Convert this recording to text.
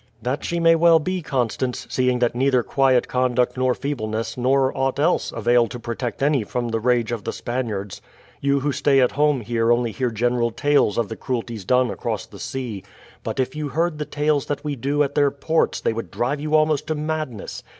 "That she may well be, Constance, seeing that neither quiet conduct nor feebleness nor aught else avail to protect any from the rage of the Spaniards. You who stay at home here only hear general tales of the cruelties done across the sea, but if you heard the tales that we do at their ports they would drive you almost to madness.